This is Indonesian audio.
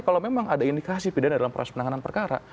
kalau memang ada indikasi pidana dalam proses penanganan perkara